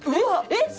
えっ！